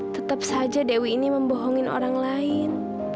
tetap saja dewi ini membohongin orang lain